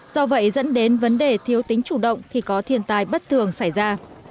do vậy dẫn đến vấn đề thiếu tính chủ động thì có thiên tài bất thường xảy ra